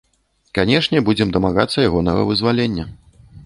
Канечне, будзем дамагацца ягонага вызвалення.